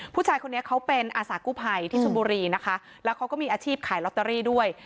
ผู้ชายคนนี้เขาเป็นอาสากู้ภัยที่ชนบุรีนะคะแล้วเขาก็มีอาชีพขายลอตเตอรี่ด้วย